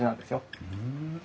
ふん。